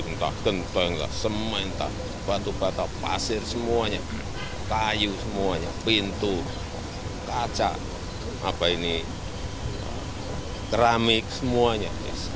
entah kentang entah sementara batu batu pasir semuanya kayu semuanya pintu kaca keramik semuanya